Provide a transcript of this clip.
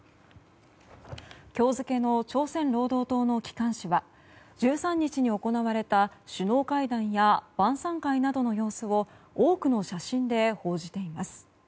今日付の朝鮮労働党の機関紙は１３日に行われた首脳会談や晩さん会などの様子を多くの写真で報じています。